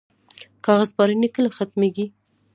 کاغذ پراني کله ختمیږي؟